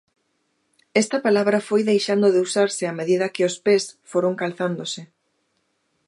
Esta palabra foi deixando de usarse a medida que os pés foron calzándose.